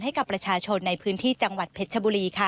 ให้กับประชาชนในพื้นที่จังหวัดเพชรชบุรีค่ะ